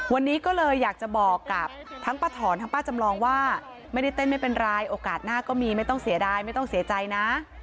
วันนี้ก็เลยอยากจะบอกกับทั้งป้าถอนทั้งป้าจำลองว่าไม่ได้เต้นไม่เป็นไรโอกาสหน้าก็มีไม่ต้องเสียดายไม่ต้องเสียใจนะ